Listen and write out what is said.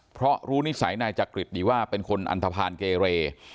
เพราะรู้นิสัยนายจักริตดีว่าเป็นคนอันทภาณเกเร